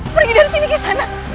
pergi dari sini kisanak